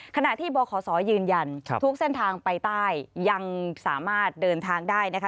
ขณะที่บขศยืนยันทุกเส้นทางไปใต้ยังสามารถเดินทางได้นะคะ